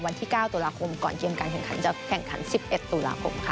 วันที่๙ตุลาคมก่อนเกี่ยวกันแข่งขัน๑๑ตุลาคม